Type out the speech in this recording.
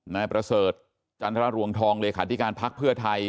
นายประเสริฐจันทรรวงทองเลขาธิการพักเพื่อไทย